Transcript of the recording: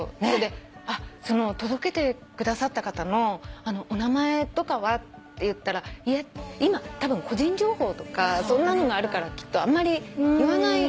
その届けてくださった方のお名前とかはって言ったら今たぶん個人情報とかそんなのがあるからあんまり言わない。